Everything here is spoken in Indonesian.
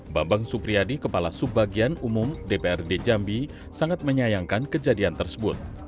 bambang supriyadi kepala subbagian umum dprd jambi sangat menyayangkan kejadian tersebut